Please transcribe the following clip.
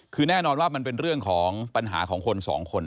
คือแน่นอนว่ามันเป็นเรื่องของปัญหาของคนสองคน